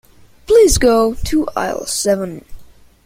Please go to aisle seven.